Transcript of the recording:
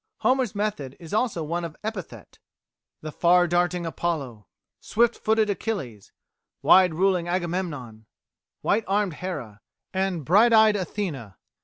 Homer's method is also one of epithet: "the far darting Apollo," "swift footed Achilles," "wide ruling Agamemnon," "white armed Hera," and "bright eyed Athene."